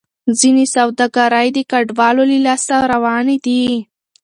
ځینې سوداګرۍ د کډوالو له لاسه روانې دي.